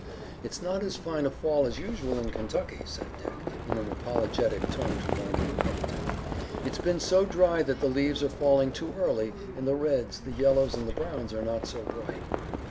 "It's not as fine a fall as usual in Kentucky," said Dick, in an apologetic tone to Warner and Pennington. "It's been so dry that the leaves are falling too early, and the reds, the yellows and the browns are not so bright."